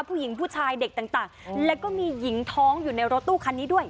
ผู้ชายเด็กต่างแล้วก็มีหญิงท้องอยู่ในรถตู้คันนี้ด้วย